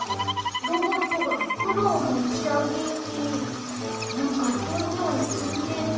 ロボットがふくろをもちあげてなんかどんどんつんでく。